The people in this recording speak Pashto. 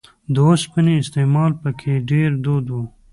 د اوسپنې استعمال په کې ډېر دود و